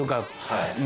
はい。